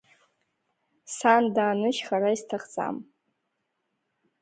Сан дааныжь хара исҭахӡам.